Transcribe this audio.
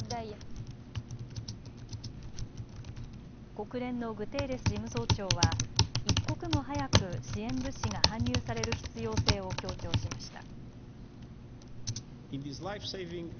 国連のグテーレス事務総長は一刻も早く支援物資が搬入される必要性を強調しました。